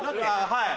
はい。